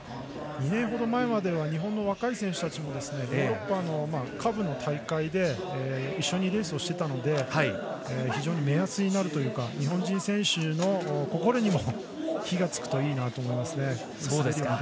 ２年ほど前までは日本の若い選手たちもヨーロッパの下部の大会で一緒にレースをしていたので非常に目安になるというか日本人選手の心にも火が付くといいなと思いますね。